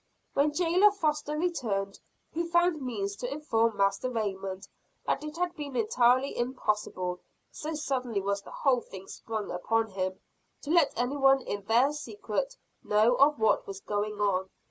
When jailer Foster returned, he found means to inform Master Raymond that it had been entirely impossible so suddenly was the whole thing sprung upon him to let anyone in their secret know of what was going on.